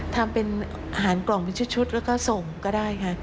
ทำเป็นอาหารกล่องเป็นชุดแล้วก็ส่งก็ได้ค่ะ